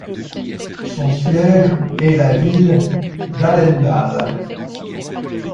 Son siège est la ville d'Allendale.